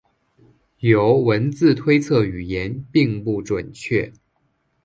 由文字推测语言并不准确。